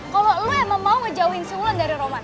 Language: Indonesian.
kalo lo emang mau ngejauhin si mulan dari roman